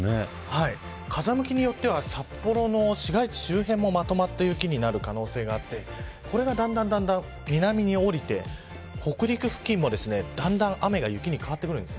風向きによっては札幌の市街地周辺もまとまった雪になる可能性があってこれがだんだん南に下りて北陸付近も、だんだん雨が雪に変わってくるんです。